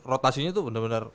rotasinya tuh bener bener